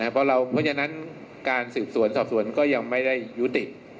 เพราะฉะนั้นการสืบสวนสอบสวนก็ยังไม่ได้ยุติ